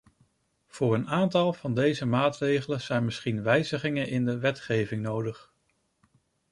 Voor een aantal van deze maatregelen zijn misschien wijzigingen in de wetgeving nodig.